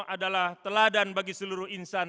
adalah teladan bagi seluruh insan